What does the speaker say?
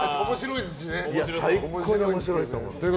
最高に面白いと思う。